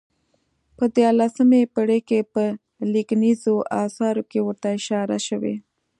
په دیارلسمې پېړۍ په لیکنیزو اثارو کې ورته اشاره شوې.